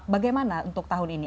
bagaimana untuk tahun ini